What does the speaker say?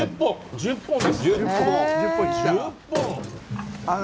１０本ですって。